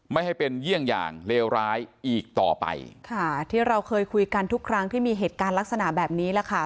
ไม่ให้เป็นเยี่ยงอย่างเลวร้ายอีกต่อไปค่ะที่เราเคยคุยกันทุกครั้งที่มีเหตุการณ์ลักษณะแบบนี้แหละค่ะ